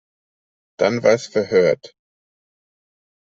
Danvers verhört.